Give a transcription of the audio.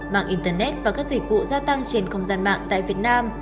mạng internet và các dịch vụ gia tăng trên không gian mạng tại việt nam